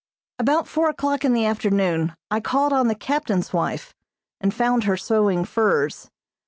About four o'clock in the afternoon I called on the captain's wife, and found her sewing furs.